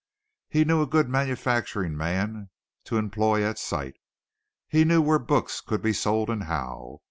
He knew a good manufacturing man to employ at sight. He knew where books could be sold and how.